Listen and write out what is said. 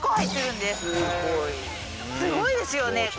すごいですよね？